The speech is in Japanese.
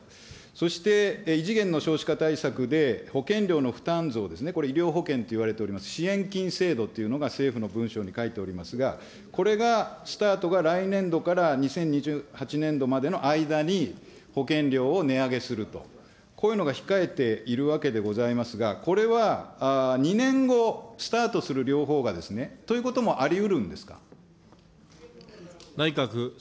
そして異次元の少子化対策で、保険料の負担増ですね、医療保険といわれております支援金制度というのが、政府の文書に書いておりますが、これがスタートが来年度から２０２８年度までの間に保険料を値上げすると、こういうのが控えているわけでございますが、これは２年後スタートする両方が、ということもありうるんですか。